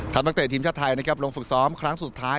ท่านนักเตะทีมชาติไทยลงฝึกซ้อมครั้งสุดท้าย